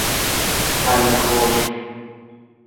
کله خشک